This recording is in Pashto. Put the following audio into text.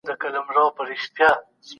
انسان څنګه خپل شخصیت لاسته راوړي؟